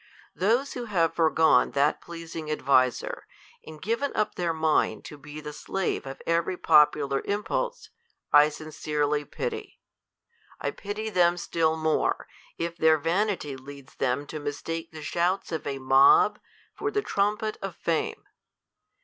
Those who have forgone that pleasing adviser, and given up their mind to be the slave of every popular impulse, I sincerely pity. ^ I pity them still more, if their vanity leads diem to mis take the shouts of a mob for die trumpet of fame.